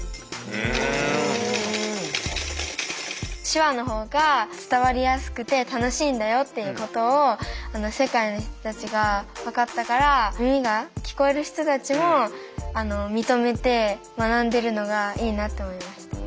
手話の方が伝わりやすくて楽しいんだよっていうことを世界の人たちが分かったから耳が聞こえる人たちも認めて学んでいるのがいいなと思いました。